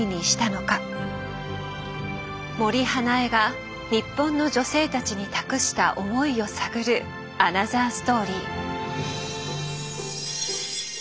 森英恵が日本の女性たちに託した「思い」を探るアナザーストーリー。